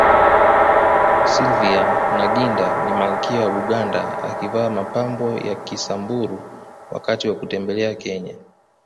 Sylvia Nagginda ni malkia wa Buganda akivaa mapambo ya Kisamburu wakati wa kutembelea Kenya